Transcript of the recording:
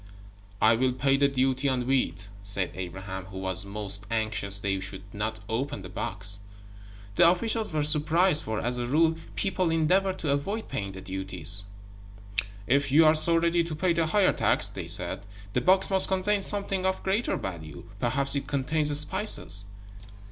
] "I will pay the duty on wheat," said Abraham, who was most anxious they should not open the box. The officials were surprised, for, as a rule, people endeavored to avoid paying the duties. "If you are so ready to pay the higher tax," they said, "the box must contain something of greater value. Perhaps it contains spices."